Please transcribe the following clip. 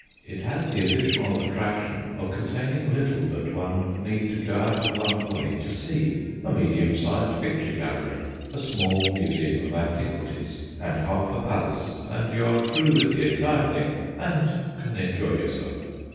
It has the additional attraction of containing little that one need to go out of one's way to see: a medium sized picture gallery, a small museum of antiquities, and half a palace, and you are through with the entire thing and can enjoy yourself.